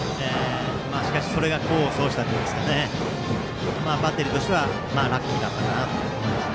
それが功を奏したというかバッテリーとしてはラッキーだったかと思います。